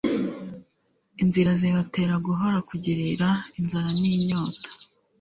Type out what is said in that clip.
inzira zibatera guhora kugirira inzara ninyota